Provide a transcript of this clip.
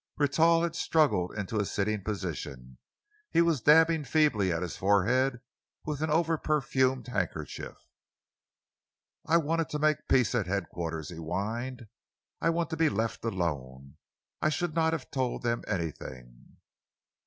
Rentoul had struggled into a sitting posture. He was dabbing feebly at his forehead with an overperfumed handkerchief. "I wanted to make peace at Headquarters," he whined. "I want to be left alone. I should not have told them anything."